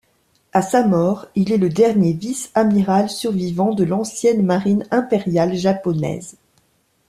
À sa mort, il est le dernier vice-amiral survivant de l'ancienne marine impériale japonaise.